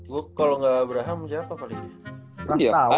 gue kalo gak abraham siapa kali ya